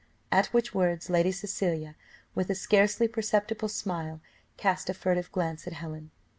At which words Lady Cecilia, with a scarcely perceptible smile, cast a furtive glance at Helen.